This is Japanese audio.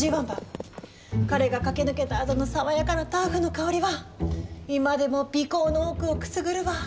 彼が駆け抜けたあとの爽やかなターフの香りは今でも鼻こうの奥をくすぐるわ。